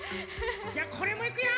じゃこれもいくよ！